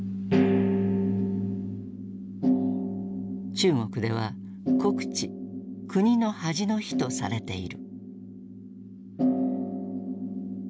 中国では「国恥」「国の恥の日」とされている。